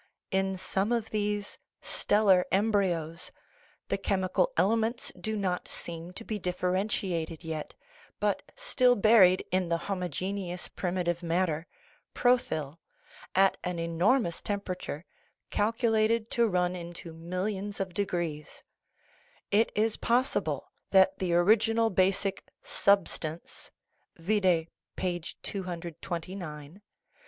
In some of these " stellar embryos " the chemical elements do not seem to be differentiated yet, but still buried in the homogeneous primitive matter (prothyl) at an enormous temperature (calculated to run into millions of degrees) ; it is possible that the origi 368 SOLUTION OF THE WORLD PROBLEMS nal basic " substance " (vide p.